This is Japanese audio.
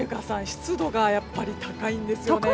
湿度がやっぱり高いんですよ。